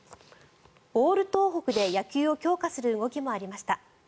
オール東北で野球を強化する動きもありました。